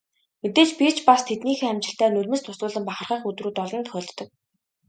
Мэдээж би ч бас тэднийхээ амжилтаар нулимс дуслуулан бахархах өдрүүд олон тохиолддог.